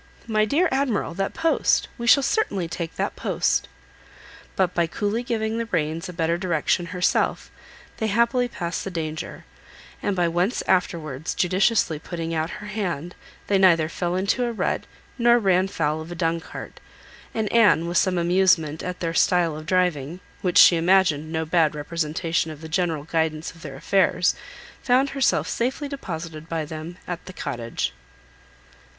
My dear Admiral, that post! we shall certainly take that post." But by coolly giving the reins a better direction herself they happily passed the danger; and by once afterwards judiciously putting out her hand they neither fell into a rut, nor ran foul of a dung cart; and Anne, with some amusement at their style of driving, which she imagined no bad representation of the general guidance of their affairs, found herself safely deposited by them at the Cottage.